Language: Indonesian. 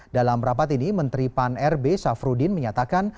dalam rapat ini menteri pan rb syafruddin menyatakan